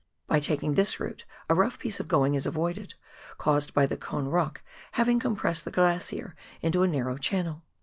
By taking this route a rough piece of going is avoided, caused by the Cone Rock having compressed the glacier into a narrow channel.